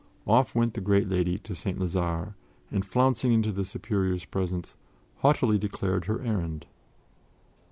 Off went the great lady to St. Lazare, and, flouncing into the Superior's presence, haughtily declared her errand.